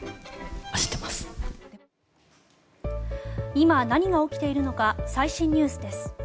今、何が起きているのか最新ニュースです。